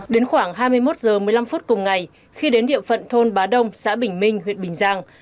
đến khoảng hai mươi một h một mươi năm phút cùng ngày khi đến địa phận thôn bá đông xã bình minh huyện bình giang